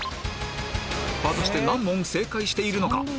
果たして何問正解しているのか？